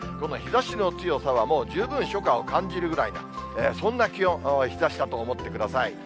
日ざしの強さはもう十分初夏を感じるぐらいな、そんな気温、日ざしだと思ってください。